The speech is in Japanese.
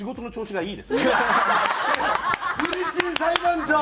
はい。